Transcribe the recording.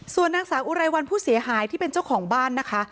ส่วนนางสาวอุไรวันผู้เสียหายที่เป็นเจ้าของบ้านนะคะ